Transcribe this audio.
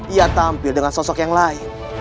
ia tampil dengan sosok yang lain